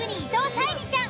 沙莉ちゃん？